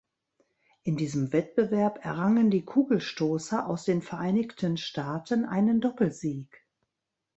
In diesem Wettbewerb errangen die Kugelstoßer aus den Vereinigten Staaten einen Doppelsieg.